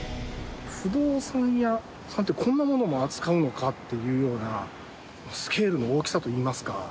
不動産屋さんってこんなものも扱うのかっていうようなスケールの大きさといいますか。